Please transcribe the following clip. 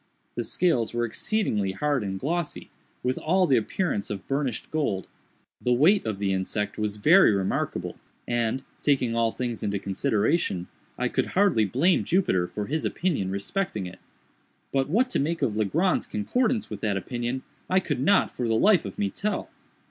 The scales were exceedingly hard and glossy, with all the appearance of burnished gold. The weight of the insect was very remarkable, and, taking all things into consideration, I could hardly blame Jupiter for his opinion respecting it; but what to make of Legrand's concordance with that opinion, I could not, for the life of me, tell.